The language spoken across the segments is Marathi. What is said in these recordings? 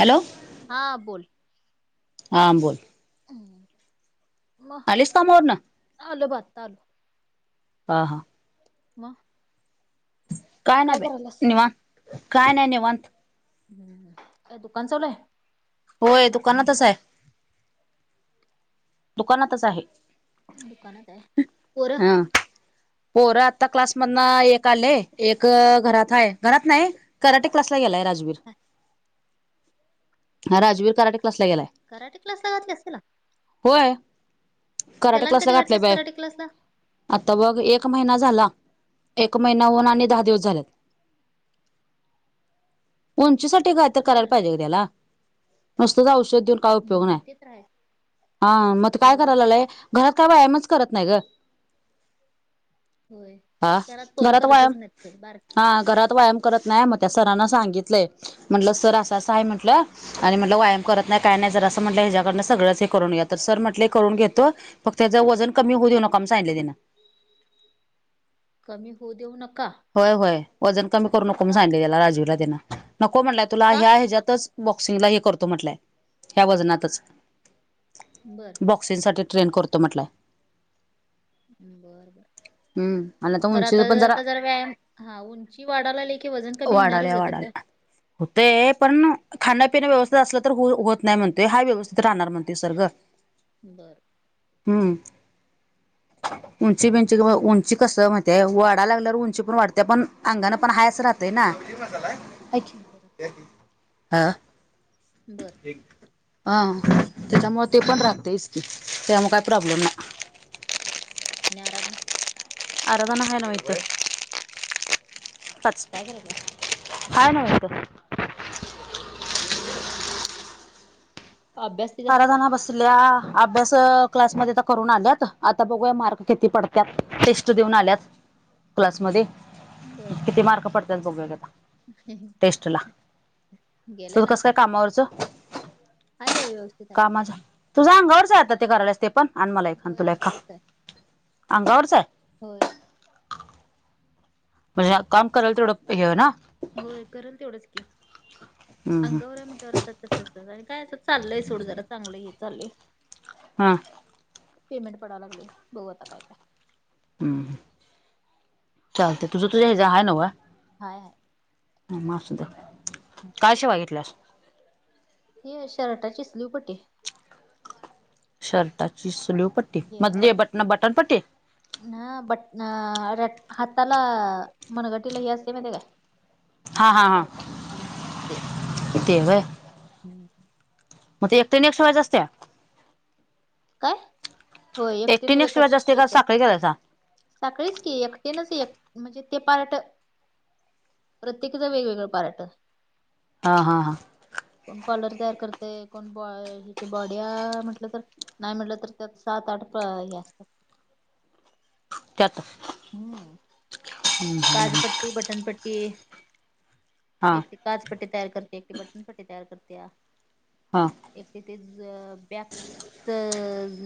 हॅलो हा बोल हां बोल हम आलेच कमावरन आलो बा आत्ता हा हा म कायना बया निवांत कायना निवत हम्म काय दुकान चालुय होय दुकानातच आहे दुकानातच आहे दुकानात आहे पोर पोर आता क्लास मधन एक आले एक घरात आहे घरात नाही कराटे क्लासला गेलाय राजवीर हा राजवीर कराटे क्लासला गेलाय कराटे क्लास ला घातलास तिला होय कराटे त्याला आणि क्लासला कधी घातले घातल्यास बाय कराटे क्लासला आता बघ एक महिना झाला एक महिनाहन आणि दहा दिवस झालेत [inaudible] उंचीसाठी काय तर करायला बरं पाहिजे का त्याला नसतंच औषध देऊ हम्म ते तर रा आहे हा मग काय होय करायला लालंय घरात काय व्यायामच करत नाही ग होय हा घरात पोरं व्यायाम करतच नाहीत ते बार हा घरात व्यायाम करत नाही मग त्या सरांन सांगितलंय म्हटलं सर असं असं आहे म्हटलं आणि म्हणलं व्यायाम करत नाही काय नाही जर असं म्हटलं ह्याकडं सगळंच हे करून येत तर सर म्हटलंय करून घेतो फक् त्यां वजन कमी होऊ देऊ नकाम सांगले त्यांना कमी होऊ देऊ नका होय होय वजन कमी करू नको म का सांगले त्याला राजीवला त्यांना नको म्हणलंय तुला का ह्या ह्याच्या्यातच बॉक्सिंगला हे करतो म्हटलंय ह्या वजनातच बरं बॉक्सिंग साठी ट्रेन करतो म्हटलं बर बर हम्म आणि मग खर आता उंची पण जरा आता जर व्यायाम हा उंची वाढायला ले वाढाले वाढला होते पण खाण्यापिण्या व्यवस्थित असलं तर हो होत नाही म्हणतोय हा व्यवस्थित राहणार म्हणते सर्गं [inaudible] बरं हम्म उंची बंची क त्याला उची उंची कस म्हय वाडा लागल्यावर उंची पण वाढते पण अंगान पण हाय अस राहतय ना ठी बर हा बरं अं त्याच्यामु ते पण राखते इच की त्यामुळे काय प्रॉब्लेम नाही आणि आराधना? आराधना आहे ना व इथ. पाच काय करायलीय? हाय ना व इथ. अभ्यास तिचा आराधना बसल्या अभ्यास क्लासमध्ये आता करून आल्यात आता बघूया मार्क किती पड त्यात टेस्ट देऊन आल्यात क्लासमध्ये बर किती मार्क पडतत बघुया की आता. टेस्ट ला. गेलाय तुझ ना कस काय चांगला कामावरचं? हाय बाय व्यव कामाच तुझा [unintelligible] आता ते करायलास ते पण आणि मला ए आणि होय तुला एक. खा. अंगावरच आहे. अंगावरचय. होय. म्हणजे काम करायला तर तेवढं हि ना. होय करल तेवढंच की. हम्म अंगावर हम्म आहे म्हटल्यावर आता त [unintelligible] काय चालय सोड जरा चांगलं हे चाललय. हां. पेमेंट पडायला लागलय बऊ आता काय- काय? हम्म्. चालतय तुझं तुझ्या ह्याज हाय नव? हाय हाय. हम्म. मग असुद्या. काय शिवाय घेतल्यास? हि व्हय शर्टाची स्लीव पट्टी. शर्टाची स्लीव पट्टी मधली बटन बटन पट्टी? नं बटन आर हाताला मनगटीला हि असते माहिती काय? हा हा हा शर्टात हम्म ते ते व्हय. हम्म. मग ते एक टी न एक शिवायच असतया? काय? होय एकटिन एकटीने एक एकच शिवायची असते का एकच. साखळी करायचा साखळीच की एकटिनच एक म्हणजे ते पारट प्रत्येकीच वेगवेगळं पारट. हां हां हां. कोण कॉलर तयार करते कोण ब ही बॉडी म्हटलं तर नाही म्हटलं तर त्यात सात आठ प्र ही असतेत. त्यात हम्म काजपट्टी, बटनपट्टी, हा एक काजपट्टी तयार करती, ती बटन पट्टी तयार करतीया. हां. एकटि च्यांच [unintelligible] बॅकच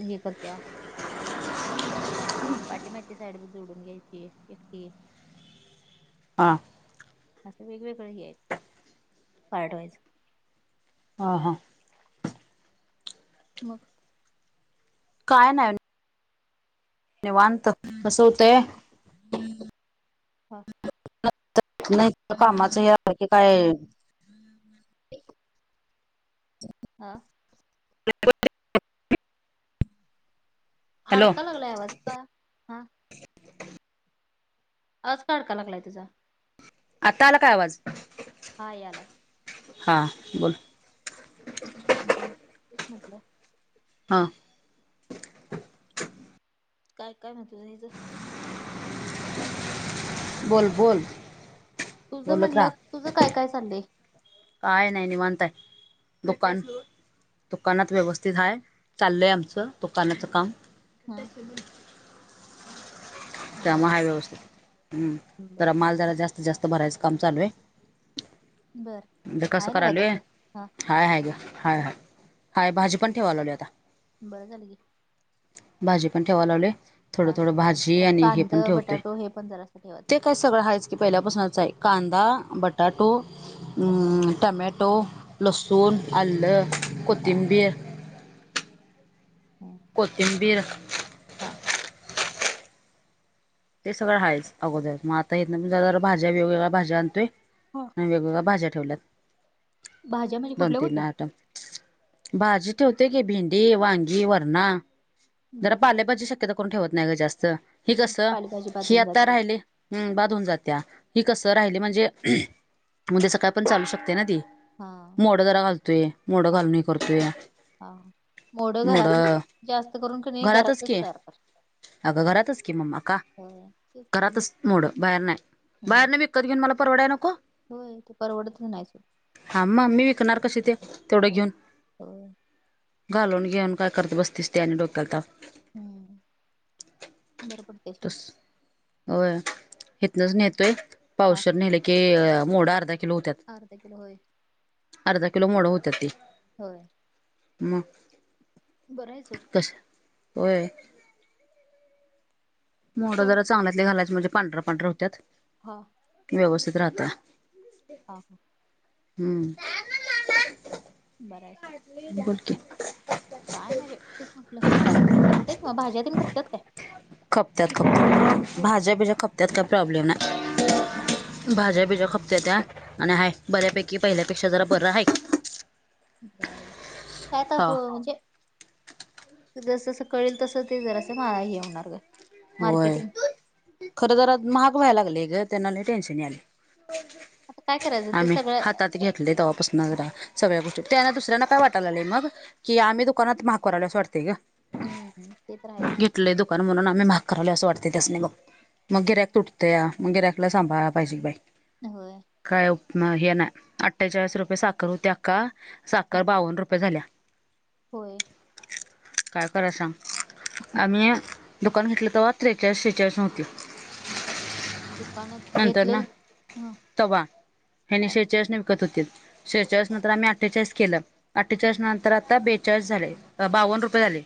हि करतीया. पाठीमागची साईड बी जोडून घ्यायची एक ती. हा. असं वेगवेगळें हे आहेत, पार्टवाईज. हा हा. मग? काय नाही निवांत कस होतय [inaudible] नाही तर कामाचं हे की काय आ. [unintelligible] हॅलो अडका लागलाय आवाज का? हा आवाज का अडका लागलाय तुझा? आता आला काय आवाज? हा यालाय. हा बोल. तेच म्हटलं. हां. काय काय म्हण तुचं. बोल बोल. तुझं बोलत म्हटलं, राहा तुझं काय काय सांगे. काय नाही निवांत आहे, दुकान. दुकानात व्यवस्थित आहे चाललय आमचं दुकानाचं काम. हा बर त्यांना हाय व्यवस्था, तर बर माल जरा जास्त. जास्त भरायचं काम चालू आहे, बर म्हणज कसं आहे ना मग करालय तसं हा हाय हाय ग, ‌हाय हाय, हाय भाजी पण ठेवा लागलोय आता. बरं झालं घे. भाजी पण ठेवा लागलोय, हा थोडं-थोडं भाजी जरा आणि हे कांद पण ठेवतोय बटाटो हे पण जरा अस ठेवा ते काय सगळं हायच की पहिल्यापासूनच आहे कांदा, बटाटो लसूण हम्म टमॅटो, लसुून, अल, हा हा कोथिंबीर हा. कोथिंबीर. हा. ते सगळं हायच अगोदर, मग आता येत ना ज भाज्या वेगवेगळ्या भाज्या आणतोय. हा. वेगवेगळ्या भाज्या ठेवल्यात, भाज्या म्हणजे कुठल्या दोन-तीन कुठल्या आईटम. भाजी ठेवते की भेंडी, वांगी, वरणा जरा बरं झालं पाले पाजी शक्य ते काय कोण ठेवत नाही ग जास्त. ती पालेभजी पाखरून जातेे. हम बाधून जात्या हि कसं राहिली म्हणजे म्हणजे सकाळ पण चालू शकते ना ती हा मोड जरा घालतोय मोडं हा घालून करतोय हा मोडं मोड घरातलं जास्त करून क घरातच तयार कर अगं घरातच कि म्मा का तेच की मी कररातच मोडं बाहेर नाही बाहेर हम्म. नाही बिकत घेऊन मला परडाय नको होय त परवडत नाहीयच हा म मी विकणार कशी ते तेवढं घेऊन हो घालून घेऊन काय करत बस्तीस त्याने डक्याल तर हम्म बरं पडते त होय इथनच हम्म नेतोय हा पावसर नेला मोडा अर्धा किलो होत हठार रपये कलो होय अर्धा किलो मोड होत त ते होय मग बरं आहे सर कसं होय मोठं होय जरा चांगल्यातले घालायच म्हणे पांढऱ्या पांढर होत्यात हां व्यवस्थित राहत हा हां हम्म बर आहेसर बोलकी काय नाही व्यक्तीच म्हटलं खपते मग भाज्यातीलून खपतात काय खपत्यात खपत्याात भाज्या बिज्या खपत्यात काही प्रॉब्लेम नाही भाज्या बिज्या खपत्या त्या्या आणि हय बऱ्यापैकी पहिल्यापेक्षा जरा बर आहे का बर काय तर हा हो म्हणजेस कळेल तस ते जरास मलाही ये होणार का होय मार्केटिंग खरं तरर महाग व्हायला लागले ग त्यांना टेन्शन नाही आले आता काय करायचं ते आम्ही सगळं हातात स घेतले तपासून न सगळ्या गोष्टी त्यांना दुसऱ्यांना काय वाटयला लाले मग की आम्ही दुकानात महाग आल असं वाटतेय ग का हम्म ते तर राहायच क पण म्हणून आम्ही महागवले असं वाटते त्यासने बघ मग हम्म गिर्याक तुटते या मग गिर्याकला सांभा पाहिजे बाई होय काय हे ना अठ्ठेचाळीस रुपये साखर होत्याका हा साखर बावन्न रुपये झाल्या होय काय कराय सांग आम्ही दुकान घेतलं तर वा त्रेचाळीस शेहेचाळीस नव्हती दुकानात नंतर घेतलं ह हनी शेचाळीस विकत होते शेहेचाळीस नंतर आम्ही अठ्ठेचाळीस केलं हा अठ्ठेचाळीस नंतर आता बेचाळीस झाले बावन्न रुपये झाले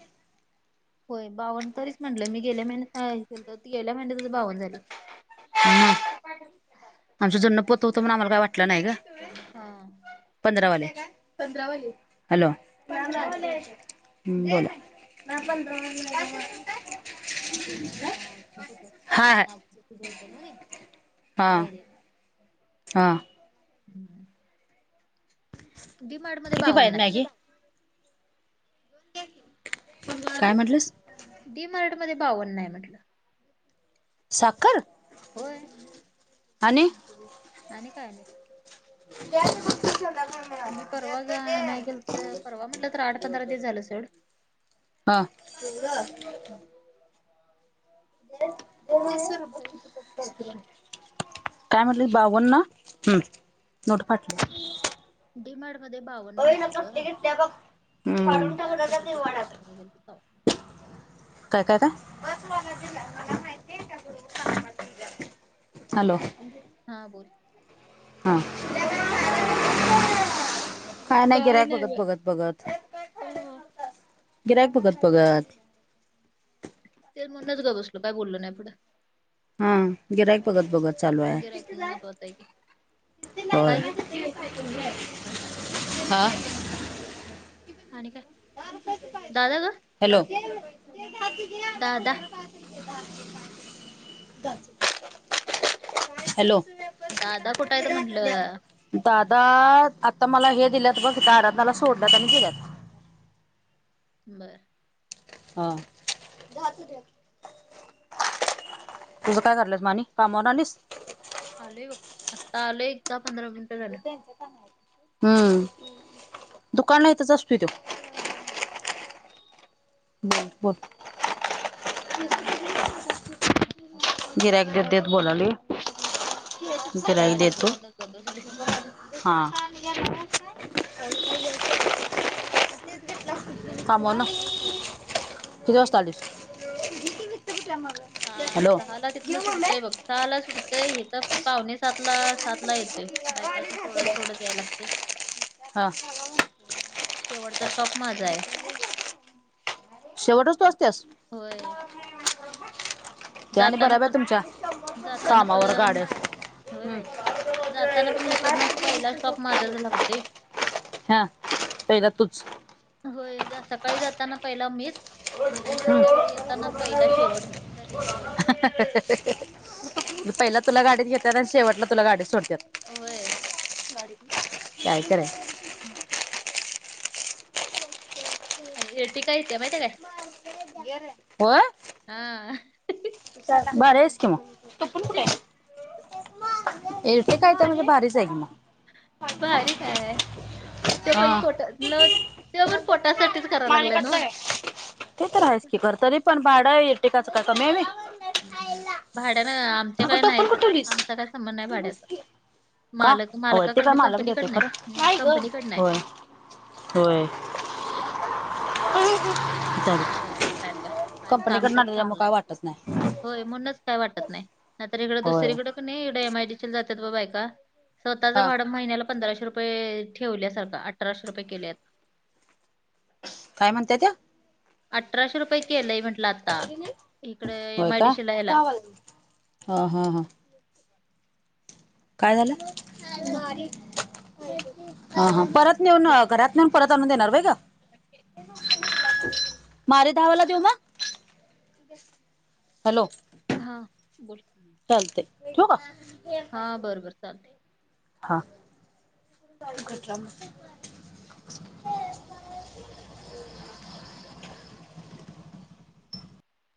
होय बावन तरीच म्हटलं मी गेल्या महिन्यात ती गेल्या महिन्यात बावन झाली ह [inaudible] आमच जण्नं पोतवतो म्हण आम्हाला काय वाटलं नाही का हा पंधरावाले हॅलो हा बोल हम् ब हा तझ हा हा उ रे राहिले हां हम्म डीमारड मध्ये किती पाहिजे बावन्न मॅगी काय म्हटलंस डी मारट मध्ये बावन्न आहे म्हटलं साखर होय आणि आणि काय नाही ब घ मी परवा्या नाही गेल तर परवा म्हटलं तर आठ पंधरा दिवस झालं सेवड हां [inaudible] काय म्हटलं बावन्न हम्म नोटपाट डीमारड मध्ये बावन्न होती ग म आठ पंधार पटला गेल का काय कायता हॅलो हा बोल हां काये नाही काय गिरयक बघत बाई बघत बघत अ गिरयक बघत बघत ते मणच ग बसलो काय बोललो नाही पुढं हा गिरायक बघत बघत चालू आहे गिरायक महत्वाच आहे की होय काय ग हा हा आणि काय दादा ग हॅलो दादा हॅलो दादा कुठं आहे तर म्हंटलं दादा आता मला हे दिल्यात बघिथ दारातसोडल्यात आणि गेल्यात बरं हा तुझं आणि काय करलंच मानी कामावरून आलीस आलय बघ आत्ता आलंय एकदा पंधरा मिनिटं झालं हम्म दुकान नाही तरच असत त बर बर काय नाही गिरयक देेत देत बोलाली गिरयक कळालंय देेत की तू म्हणूनच गप बसलोय हा आणि का हा बोला किती वाजता आले हा सहाला तिथनं सुटतय बघ सहा ला सुटतय हे तर पाहणे सात ला सात ला येतय बायका ते सोडत सोडत यायला लागते हा शेवटचा स्टॉप माझा आहे शेवटच तू त्या असतेस होय त्या आणि जाताना बराब आहे पण तुमच्या जाताना कामावर पण गाड्या ह हम्म. बाय जाताना पण इकडनं पहिला स्टॉप माझाच लागते हा पहीला तुच होय सकाळी जाताना पहिला मीच आणि हम्म. संध्याकाळी येताना पहिला शेवट शेवट मी पहिला तुला गाडीच घेतात आणि शेवटला तुला गाडी सोडतात ओय लेक कायच रय हम आणि इरटी काय येते माहिती त्या काय गर होय हा बरस की मग तो पण कुठे आहे ए ते काय तर बाारीच आहेग ना भारी काय आहे त हा पण पोट न पण पोटासाठीच कराय लागलाय नव्ह ते तर आहेस की खर तरी पण भाडयेक येताच काय कमी हाय होय हम् भाड्यान आमच्याकडे नाही टोपण कुठवलीस आमचा काय संबंध आहे भाड्याचा का मालक होय ते काय मालकाकडन मालक देते कंपनीकडन खरं आहे कंपनीकडनं आहे होय होय बघा आता काय काय हाय काम तर कंपनीकडन त्याच्यामु चांगलं काय आहे वाटत नाही होय म्हणूनच काय वाटत नाही न तरर इकडं होय दुसरीकडें क नाही इडं एम आय डी जातात बाबाय का स्वतःचं हा भाडं महिन्याला पंधराशे रुपये ठेवल्या सारखं अठराशे रुपये केलेत. काय म्हणतय त्या. अठराशे रुपये केलंय म्हटलं आता इकड होय एम आय का डी श लायला. हा हा. काय झालं परत नेऊन गॅस घरात नेऊन. प तोन देणार रहे का. मारे धावाला देऊ म हॅलो. हा बोल लते का. हा बरोबर चालते. हा.